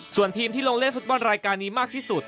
ส่วนทีมที่ลงเล่นฟุตบอลรายการนี้มากที่สุด